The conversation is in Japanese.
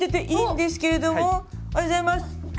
「おはようございます」。